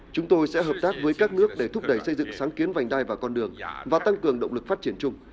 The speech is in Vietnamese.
chúng tôi sẽ hợp tác với các nước để thúc đẩy xây dựng sáng kiến vành đai và con đường và tăng cường động lực phát triển chung